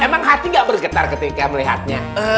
emang hati gak bergetar ketika melihatnya